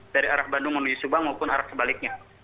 dari arah bandung menuju subang maupun arah sebaliknya